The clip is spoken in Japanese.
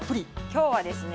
今日はですね